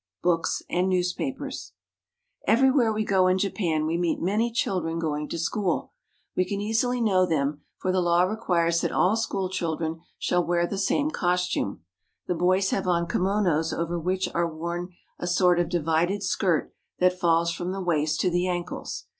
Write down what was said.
BOOKS AND NEWSPAPERS EVERYWHERE we go in Japan we meet many children going to school. We can easily know them, for the law requires that all school children shall wear the same costume. The boys have on kimonos over which are worn a sort of divided skirt that falls from the waist to the ankles.